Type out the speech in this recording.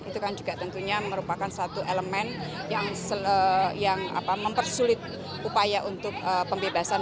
itu kan juga tentunya merupakan satu elemen yang mempersulit upaya untuk pembebasan